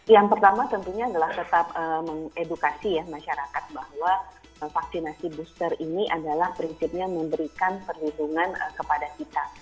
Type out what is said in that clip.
yang pertama tentunya adalah tetap mengedukasi ya masyarakat bahwa vaksinasi booster ini adalah prinsipnya memberikan perlindungan kepada kita